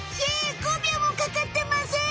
５秒もかかってません！